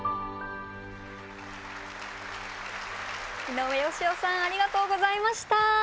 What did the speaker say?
井上芳雄さんありがとうございました。